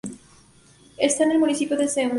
Está en el municipio de Zemun.